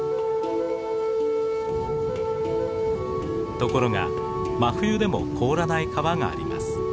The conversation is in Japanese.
ところが真冬でも凍らない川があります。